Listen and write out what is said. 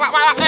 pak pak pak